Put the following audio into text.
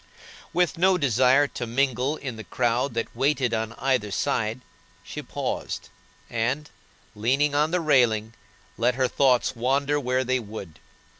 With no desire to mingle in the crowd that waited on either side, she paused, and, leaning on the railing, let her thoughts wander where they would.